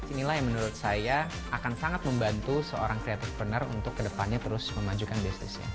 inilah yang menurut saya akan sangat membantu seorang creative partner untuk kedepannya terus memajukan bisnisnya